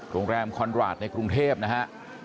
โรงแรมคอนราชในกรุงเทพนะฮะ